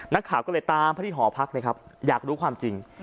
นักข่าวก็เลยตามไปที่หอพักเลยครับอยากรู้ความจริง